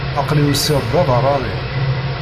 Aql-i usiɣ-d d abeṛṛani.